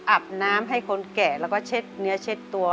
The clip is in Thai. อาบน้ำให้คนแก่แล้วก็เช็ดเนื้อเช็ดตัว